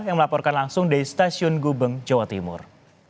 yang melaporkan langsung dari stasiun gubeng jawa timur